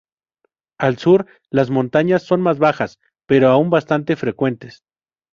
Al sur, las montañas son más bajas, pero aún bastante frecuentes.